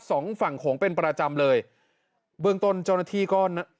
สองฝั่งโขงเป็นประจำเลยเบื้องต้นเจ้าหน้าที่ก็